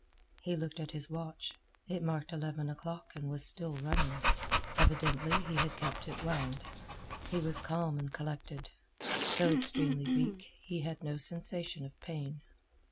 He looked at his watch. It marked eleven o'clock and was still running. Evidently he had kept it wound. He was calm and collected. Though extremely weak, he had no sensation of pain.